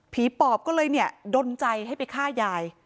ปอบก็เลยเนี่ยดนใจให้ไปฆ่ายาย